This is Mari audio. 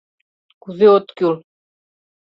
— Кузе от кӱл.